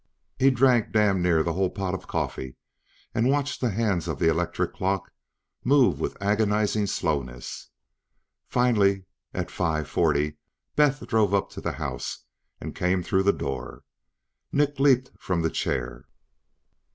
He drank damned near the whole pot of coffee and watched the hands of the electric clock move with agonizing slowness. Finally, at five forty, Beth drove up to the house and came through the door. Nick leaped from the chair.